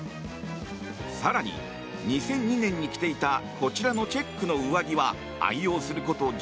更に、２００２年に着ていたこちらのチェックの上着は愛用すること１９年。